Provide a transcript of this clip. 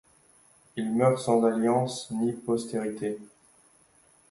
Il meurt sans alliance ni postérité.